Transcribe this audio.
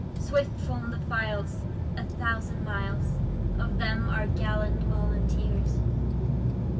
Swift formed the files, a thousand miles Of them, our gallant Volunteers!